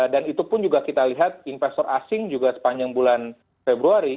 dan itu pun juga kita lihat investor asing juga sepanjang bulan februari